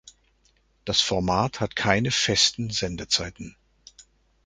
Das Format hat keine festen Sendezeiten.